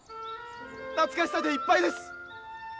懐かしさでいっぱいです。